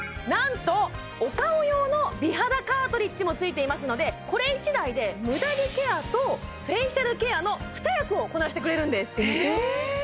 なんとお顔用の美肌カートリッジもついていますのでこれ１台でムダ毛ケアとフェイシャルケアの２役をこなしてくれるんですえっ！？